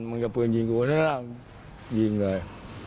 มึงจะปืนยิงกูห้ามนี้กัน